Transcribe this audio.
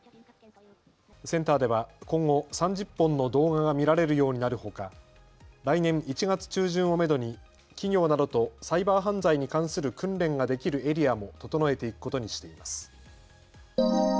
センターでは今後、３０本の動画が見られるようになるほか来年１月中旬をめどに企業などとサイバー犯罪に関する訓練ができるエリアも整えていくことにしています。